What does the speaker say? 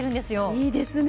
いいですね。